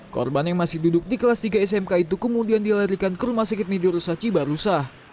korban yang masih duduk di kelas tiga smk itu kemudian dilarikan ke rumah sakit midorosaci barusa